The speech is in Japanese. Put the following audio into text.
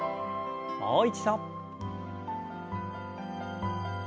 もう一度。